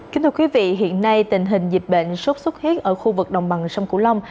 kính thưa quý vị hiện nay tình hình dịch bệnh sốt xuất huyết ở khu vực đồng bằng sông cửu long